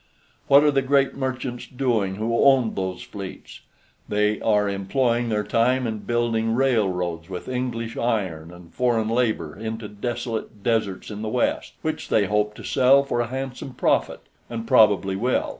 What are the great merchants doing who owned those fleets? They are employing their time in building railroads with English iron and foreign labor into desolate deserts in the West, which they hope to sell for a handsome profit, and probably will.